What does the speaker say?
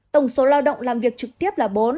tổng số lao động làm việc trực tiếp là bốn